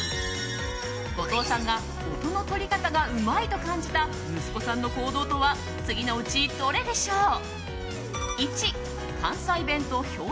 後藤さんが音の取り方がうまいと感じた息子さんの行動とは次のうちどれでしょうか。